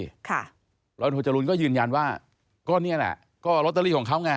ร้อยตำรวจโธจรูลก็ยืนยันว่าก็นี่แหละก็โรตตาลีของเขาไง